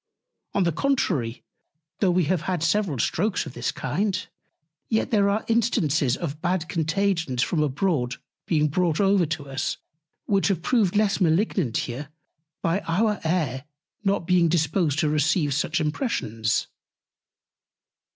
On the contrary, though we have had several Strokes of this kind, yet there are Instances of bad Contagions from abroad being brought over to us, which have proved less malignant here by our Air not being disposed to receive such Impressions.